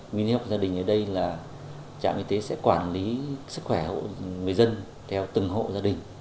nguyên lý y học gia đình ở đây là trạm y tế sẽ quản lý sức khỏe hộ người dân theo từng hộ gia đình